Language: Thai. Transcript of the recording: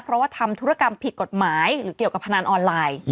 เพราะว่าทำธุรกรรมผิดกฎหมายหรือเกี่ยวกับพนันออนไลน์